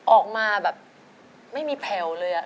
ออกมาแบบไม่มีแผ่วเลย